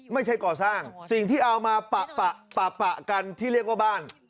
ไม่ใช่ก่อสร้างสิ่งที่เอามาปะปะกันที่เรียกว่าบ้าน